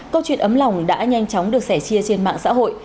câu chuyện ấm lòng đã nhanh chóng được sẻ chia trên mạng xã hội